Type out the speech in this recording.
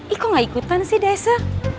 i kok gak ikutan sih desa